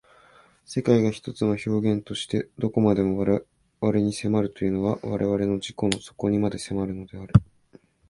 世界が一つの表現として何処までも我々に迫るというのは我々の自己の底にまで迫るのである。